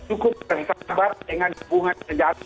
mungkin pembagi perusahaan min selalu akan pernah dirubah